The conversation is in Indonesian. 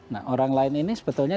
nah orang lain ini sebetulnya